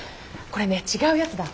これね違うやつだ。